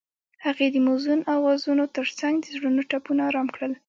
هغې د موزون اوازونو ترڅنګ د زړونو ټپونه آرام کړل.